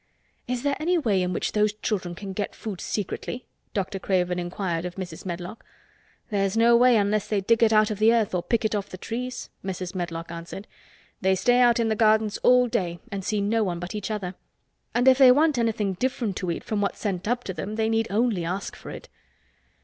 "Is there any way in which those children can get food secretly?" Dr. Craven inquired of Mrs. Medlock. "There's no way unless they dig it out of the earth or pick it off the trees," Mrs. Medlock answered. "They stay out in the grounds all day and see no one but each other. And if they want anything different to eat from what's sent up to them they need only ask for it."